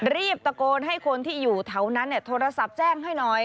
รีบตะโกนให้คนที่อยู่แถวนั้นโทรศัพท์แจ้งให้หน่อย